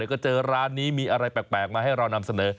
ก็เจอร้านนี้มีอะไรแปลกมาให้เรานำเสนอ